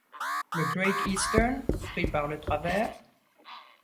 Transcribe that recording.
Le Great-Eastern, pris par le travers